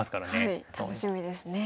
はい楽しみですね。